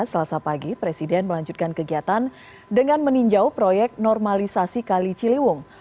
selasa pagi presiden melanjutkan kegiatan dengan meninjau proyek normalisasi kali ciliwung